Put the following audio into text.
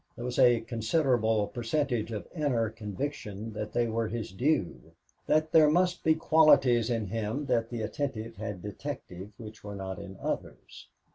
There was a considerable percentage of inner conviction that they were his due, that there must be qualities in him that the attentive had detected which were not in others.